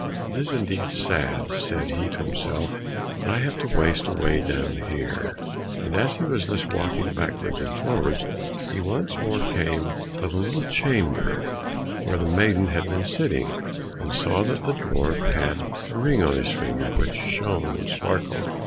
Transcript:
"It is indeed sad," said he to himself, "that I have to waste away down here," and as he was thus walking backwards and forwards, he once more came to the little chamber where the maiden had been sitting, and saw that the dwarf had a ring on his finger which shone and sparkled.